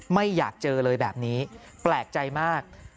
ไม่อยากเจอเลยแบบนี้แปลกใจมาก